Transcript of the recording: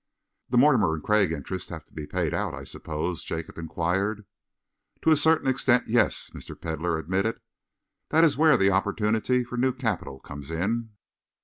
"The Mortimer and Craig interests have had to be paid out, I suppose?" Jacob enquired. "To a certain extent, yes," Mr. Pedlar admitted. "That is where the opportunity for new capital comes in."